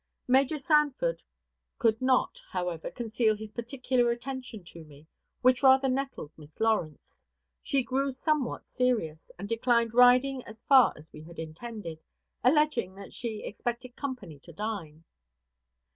Major Sanford could not, however, conceal his particular attention to me, which rather nettled Miss Lawrence. She grew somewhat serious, and declined riding so far as we had intended, alleging that she expected company to dine.